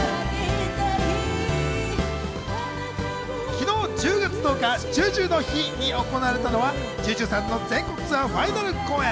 昨日１０月１０日、ＪＵＪＵの日に行われたのは、ＪＵＪＵさんの全国ツアーファイナル公演。